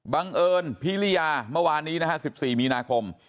บังเอิญพิริยาเมื่อวานนี้นะฮะ๑๔มีนาคม